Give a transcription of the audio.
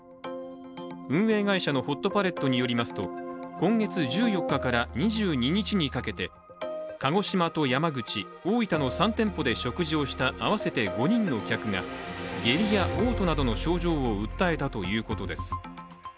運営会社のホットパレットによりますと今月１４日から２２日にかけて鹿児島と山口、大分の３店舗で食事をした合わせて５人の客が下痢やおう吐などの症状を訴えたということです。